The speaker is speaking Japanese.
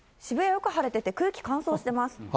渋谷、よく晴れてて、空気乾燥してます。